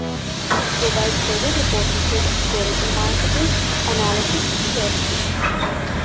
It provides credit reporting, credit scoring, and marketing analytics services.